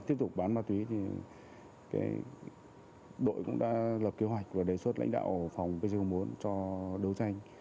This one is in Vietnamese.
tiếp tục bán ma túy thì đội cũng đã lập kế hoạch và đề xuất lãnh đạo phòng pc bốn cho đấu tranh